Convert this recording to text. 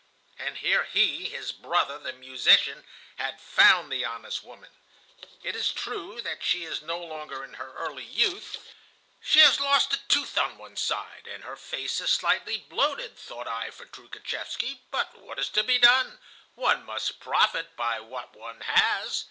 And here he, his brother, the musician, had found the honest woman. 'It is true that she is no longer in her early youth. She has lost a tooth on one side, and her face is slightly bloated,' thought I for Troukhatchevsky. 'But what is to be done? One must profit by what one has.